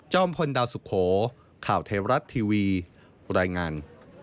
พลดาวสุโขข่าวไทยรัฐทีวีรายงาน